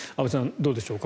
どうでしょうか。